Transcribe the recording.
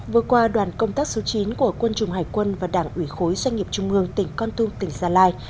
vừa qua đoàn công tác số chín của quân chủng hải quân và đảng ủy khối doanh nghiệp trung ương tỉnh con tum tỉnh gia lai